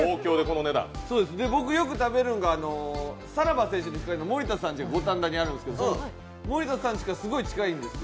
僕よく食べるんが、さらば青春の光の森田さんちが五反田にあるんですけど森田さんちからすごい近いんですよ。